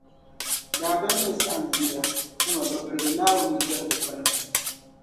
Daadamnim’ saɣim dunia, dama bɛ birigi Naawuni zaligukpana.